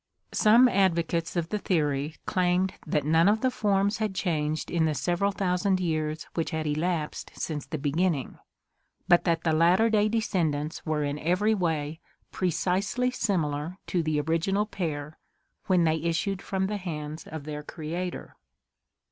Some advocates of the theory claimed that none of the forms had changed in the several thousand years which had elapsed since the beginning; but that the latter day descendants were in every way HISTORY OF EVOLUTION 5 ■ precisely similar to the original pair when they issued from the hands of their Creator.